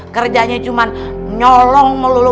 kerjanya cuman nyolong melulu